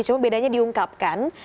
cuma bedanya diungkapkan